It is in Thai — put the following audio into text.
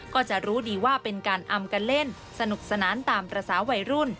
ก็จะรู้ดีว่าเป็นการอำกันเล่นสนุกสนานตามภาษาวัยรุ่น